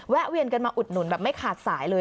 แวนกันมาอุดหนุนแบบไม่ขาดสายเลย